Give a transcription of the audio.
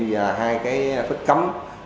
và hai cái phít cắm